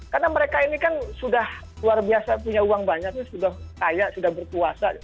karena mereka ini kan sudah luar biasa punya uang banyak sudah kaya sudah berkuasa